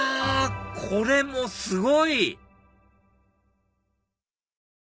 これもすごい！